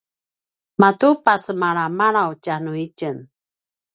matu pasemalamalav tjanuitjen